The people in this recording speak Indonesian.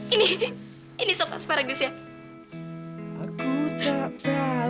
ini ini sob asparagusnya